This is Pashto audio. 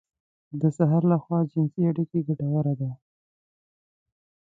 د سهار لخوا جنسي اړيکه ګټوره ده.